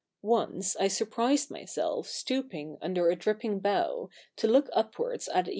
Once I surprised myself stooping under a dripping bough, to look upwards at a CH.